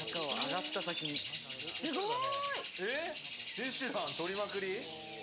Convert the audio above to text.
ミシュラン取りまくり。